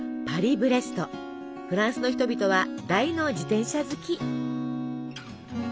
フランスの人々は大の自転車好き！